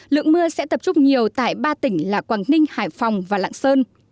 lượng mưa sẽ tập trung nhiều tại ba tỉnh là quảng ninh hải phòng và lạng sơn